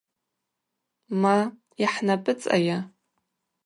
Ма, йхӏнапӏыцӏайа.